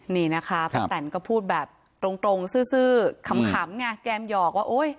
นี่นะคะป้าแตนก็พูดแบบตรงซื่อขำไงแก้มหยอกว่าโอ๊ย